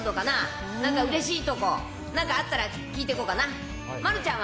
なんかうれしいこと、なんかあったら聞いていこうかな。